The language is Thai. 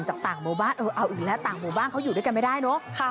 จากต่างโบบาทเออเอาอื่นนะต่างโบบาทเขาอยู่ด้วยกันไม่ได้เนอะ